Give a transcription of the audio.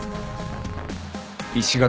石垣。